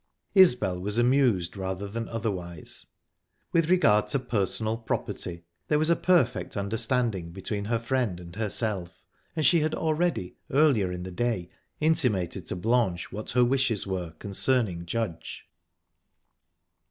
Isbel was amused, rather than otherwise. With regard to "personal property," there was a perfect understanding between her friend and herself, and she had already, earlier in the day, intimated to Blanche what her wishes were concerning Judge.